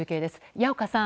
矢岡さん